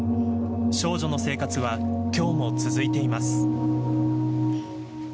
少女の生活は今日も続いています。